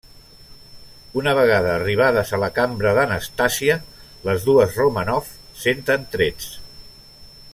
Una vegada arribades a la cambra d'Anastàsia, les dues Romànov senten trets.